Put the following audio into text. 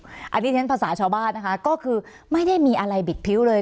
อันนี้ฉันภาษาชาวบ้านนะคะก็คือไม่ได้มีอะไรบิดพิ้วเลย